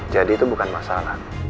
jadi itu bukan masalah